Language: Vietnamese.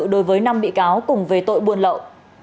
đối với năm bị cáo cùng về tội buôn lậu